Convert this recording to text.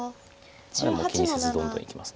でも気にせずどんどんいきます。